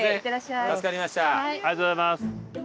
ありがとうございます。